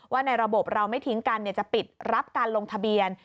ในระบบเราไม่ทิ้งกันจะปิดรับการลงทะเบียน